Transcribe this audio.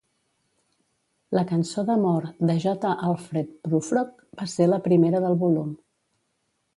"La Cançó d'Amor de J. Alfred Prufrock" va ser la primera del volum.